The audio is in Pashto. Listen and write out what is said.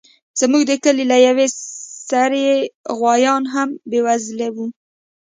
زموږ د کلي له يوه سړي يې غويان هم بيولي وو.